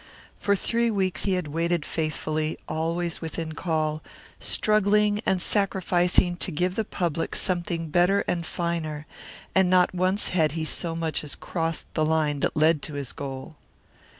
For three weeks had he waited faithfully, always within call, struggling and sacrificing to give the public something better and finer, and not once had he so much as crossed the line that led to his goal.